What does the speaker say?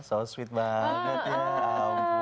so sweet banget ya